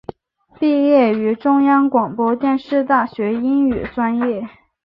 毕业于中央广播电视大学英语专业。